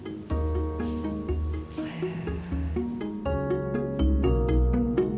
へえ。